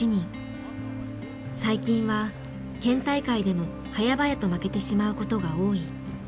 最近は県大会でもはやばやと負けてしまうことが多い。